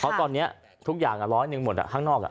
เพราะตอนนี้ทุกอย่างฮ่างนอกอ่ะ